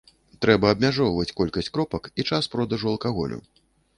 Трэба абмяжоўваць колькасць кропак і час продажу алкаголю.